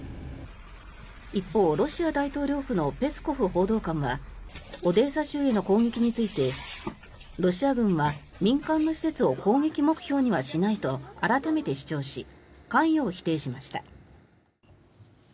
一方、ロシア大統領府のペスコフ報道官はオデーサ州への攻撃についてロシア軍は民間の施設を攻撃目標にはしないと改めて主張し関与を否定しました。